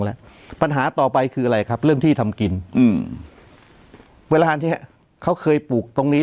แล้วปัญหาต่อไปคืออะไรครับเรื่องที่ทำกินอืมเวลาที่เขาเคยปลูกตรงนี้